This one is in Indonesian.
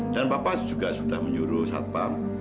dan papa juga sudah menyuruh satpam